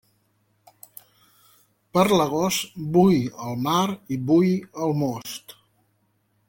Per l'agost, bull el mar i bull el most.